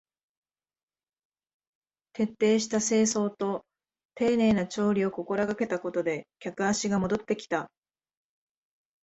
徹底した清掃と丁寧な調理を心がけたことで客足が戻ってきた